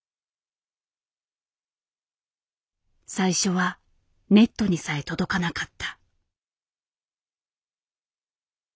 最初はネットにさえ届かなかった。